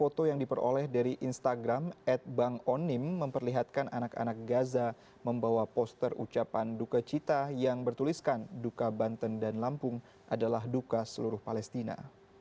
foto yang diperoleh dari instagram at bang onim memperlihatkan anak anak gaza membawa poster ucapan duka cita yang bertuliskan duka banten dan lampung adalah duka seluruh palestina